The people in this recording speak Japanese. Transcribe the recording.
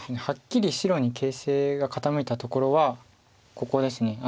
はっきり白に形勢が傾いたところはここです。